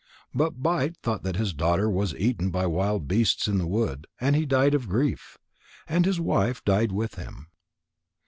But Bite thought that his daughter was eaten by wild beasts in the wood, and he died of grief. And his wife died with him.